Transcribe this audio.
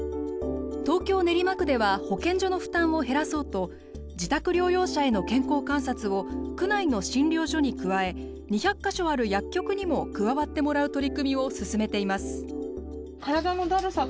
東京・練馬区では保健所の負担を減らそうと自宅療養者への健康観察を区内の診療所に加え２００か所ある薬局にも加わってもらう取り組みを進めています。